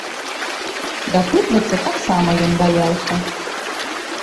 Дапытвацца таксама ён баяўся.